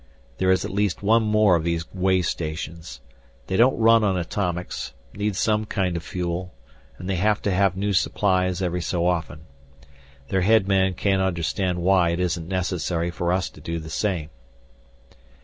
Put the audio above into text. There is at least one more of these way stations. They don't run on atomics, need some kind of fuel, and they have to have new supplies every so often. Their head man can't understand why it isn't necessary for us to do the same."